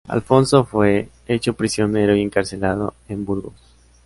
Alfonso fue hecho prisionero y encarcelado en Burgos.